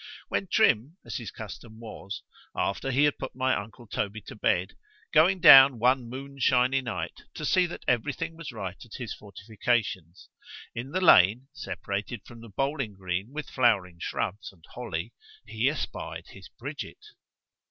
——When Trim, as his custom was, after he had put my uncle Toby to bed, going down one moon shiny night to see that every thing was right at his fortifications——in the lane separated from the bowling green with flowering shrubs and holly—he espied his _Bridget.